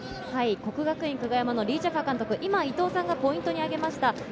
國學院久我山の李済華監督、伊藤さんがポイントに挙げました。